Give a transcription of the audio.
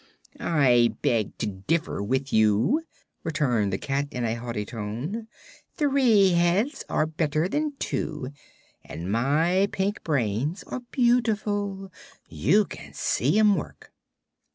"I beg to differ with you," returned the cat, in a haughty tone. "Three heads are better than two, and my pink brains are beautiful. You can see 'em work."